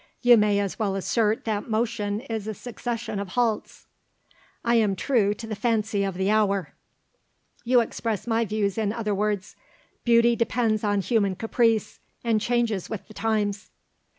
You may as well assert that motion is a succession of halts." "I am true to the fancy of the hour." "You express my views in other words. Beauty depends on human caprice, and changes with the times."